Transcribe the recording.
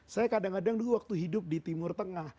saya kadang kadang dulu waktu hidup di timur tengah